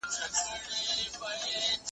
لښکر راغلی د طالبانو `